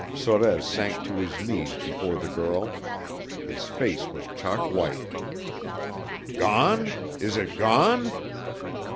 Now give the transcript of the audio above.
Sorez sank to his knees before the girl. His face was chalk white. "Gone? Is it gone?"